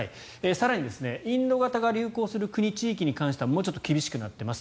更に、インド型が流行する国・地域に関してはもうちょっと厳しくなっています